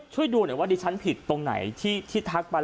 ช่วยดูหน่อยว่าดิฉันผิดตรงไหนที่ทักไป